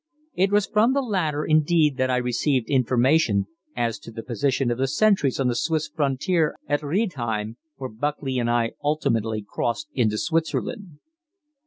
It was from the latter indeed that I received information as to the position of the sentries on the Swiss frontier at Riedheim, where Buckley and I ultimately crossed into Switzerland.